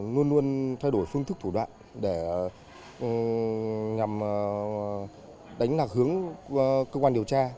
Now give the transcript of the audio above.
luôn luôn thay đổi phương thức thủ đoạn để nhằm đánh lạc hướng cơ quan điều tra